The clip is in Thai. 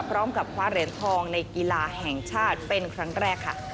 พร้อมกับคว้าเหรียญทองในกีฬาแห่งชาติเป็นครั้งแรกค่ะ